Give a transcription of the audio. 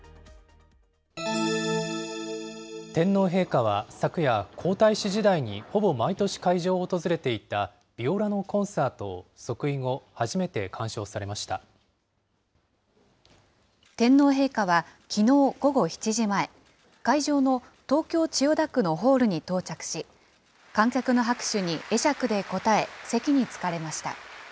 天皇陛下は昨夜、皇太子時代にほぼ毎年会場を訪れていたビオラのコンサートを即位天皇陛下はきのう午後７時前、会場の東京・千代田区のホールに到着し、観客の拍手に会釈で応え、席に着かれました。